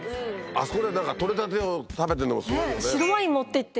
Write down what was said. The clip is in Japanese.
あそこで何か採れたてを食べてるのがすごいよね。